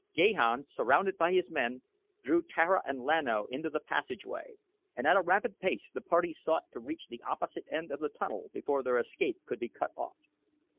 Gahan, surrounded by his men, drew Tara and Lan O into the passageway, and at a rapid pace the party sought to reach the opposite end of the tunnel before their escape could be cut off.